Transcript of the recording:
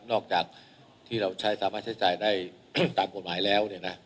จากที่เราใช้สามารถใช้จ่ายได้ตามกฎหมายแล้ว